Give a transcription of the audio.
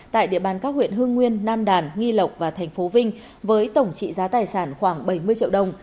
tại địa bàn các huyện hương nguyên nam đàn nghi lộc và thành phố vinh với tổng trị giá tài sản khoảng bảy mươi triệu đồng